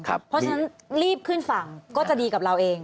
เพราะฉะนั้นรีบขึ้นฝั่งก็จะดีกับเราเอง